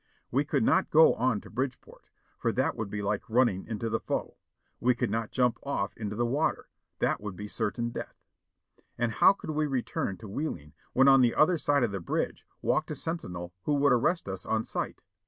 We could not go on to Bridgeport, for that would be like running into the foe ; we could not jump off into the water, that would be certain death; and how could we return to Wheeling when on the other side of the bridge walked a sentinel who would arrest us on sight?